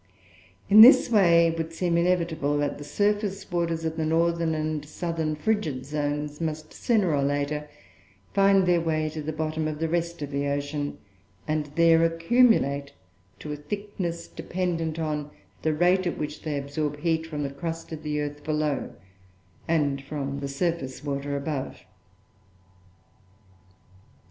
In this way, it would seem inevitable that the surface waters of the northern and southern frigid zones must, sooner or later, find their way to the bottom of the rest of the ocean; and there accumulate to a thickness dependent on the rate at which they absorb heat from the crust of the earth below, and from the surface water above.